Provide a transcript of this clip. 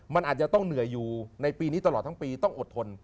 มันอาจจะต้องเหนื่อยอยู่ในปีนี้ตลอดทั้งปีต้องอดทน